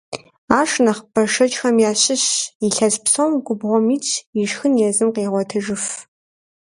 Ар шы нэхъ бэшэчхэм ящыщщ, илъэс псом губгъуэм итщ, и шхын езым къегъуэтыжыф.